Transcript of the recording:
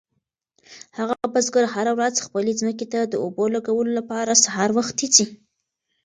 هغه بزګر هره ورځ خپلې ځمکې ته د اوبو لګولو لپاره سهار وختي ځي.